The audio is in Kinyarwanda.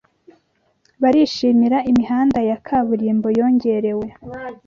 Barishimira imihanda ya Kaburimbo yongerewe